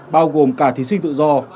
bao gồm cả thí sinh tự do